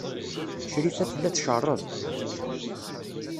Crifa tella tcerreḍ.